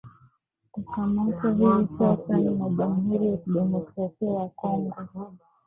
kukamatwa hivi sasa na Jamhuri ya Kidemokrasi ya Kongo